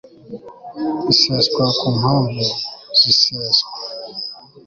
iseswa ku mpamvu z iseswa